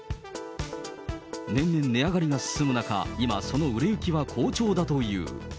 年々値上がりが進む中、今、その売れ行きは好調だという。